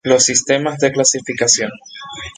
Los sistemas de clasificación.